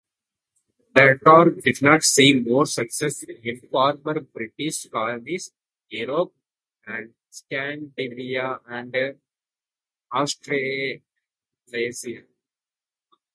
The car did see more success in former British Colonies, Europe, Scandinavia and Australasia.